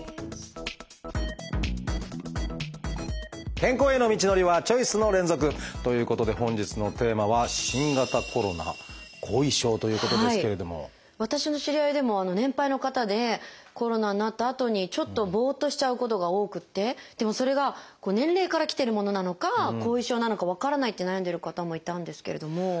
健康への道のりはチョイスの連続！ということで本日のテーマは私の知り合いでも年配の方でコロナになったあとにちょっとボッとしちゃうことが多くてでもそれが年齢からきてるものなのか後遺症なのか分からないって悩んでる方もいたんですけれども。